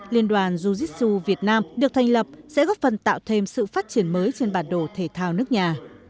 liên đoàn ju jitsu việt nam được thành lập sẽ góp phần tạo thêm sự phát triển mới trên bản đồ thể thao nước nhà